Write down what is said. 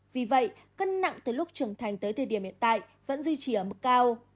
vì vậy cân nặng từ lúc trưởng thành tới thời điểm hiện tại vẫn duy trì ở mức cao